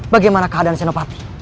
bagaimana keadaan senopati